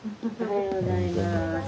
おはようございます。